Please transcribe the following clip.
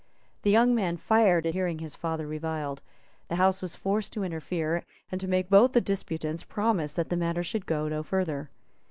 The young man fired at hearing his father reviled. The House was forced to interfere, and to make both the disputants promise that the matter should go no further.